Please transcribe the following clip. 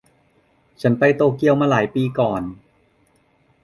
ฉันไปโตเกียวมาหลายปีก่อน